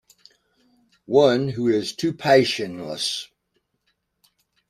One who is too passionless.